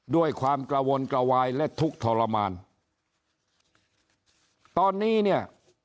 ด้วยความกระวนกระวายและทุกข์ทรมานตอนนี้เนี่ย